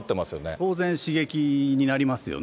当然刺激になりますよね。